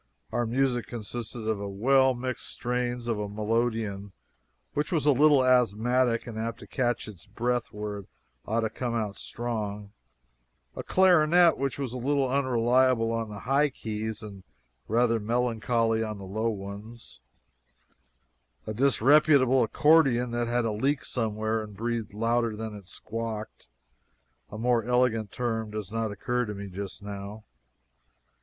Our music consisted of the well mixed strains of a melodeon which was a little asthmatic and apt to catch its breath where it ought to come out strong, a clarinet which was a little unreliable on the high keys and rather melancholy on the low ones, and a disreputable accordion that had a leak somewhere and breathed louder than it squawked a more elegant term does not occur to me just now.